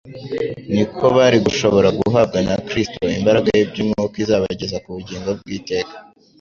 niko bari gushobora guhabwa na Kristo imbaraga y'iby'umwuka izabageza ku bugingo bw'iteka.